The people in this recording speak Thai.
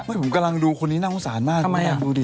ว่าผมกำลังดูคนนี้น่าโทษภาพมากผมกำลังดูดิ